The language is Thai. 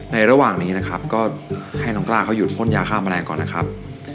ระหว่างนี้นะครับก็ให้น้องกล้าเขาหยุดพ่นยาฆ่าแมลงก่อนนะครับ